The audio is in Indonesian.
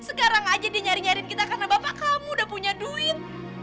sekarang aja dinyari nyariin kita karena bapak kamu udah punya duit